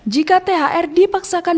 jika thr dipaksakan dibelanjakan